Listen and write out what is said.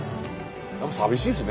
やっぱ寂しいですね。